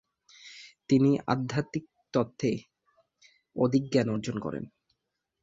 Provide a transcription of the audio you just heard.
তিনি আধ্যাত্মিক তত্ত্বে অধিক জ্ঞান অর্জন করেন।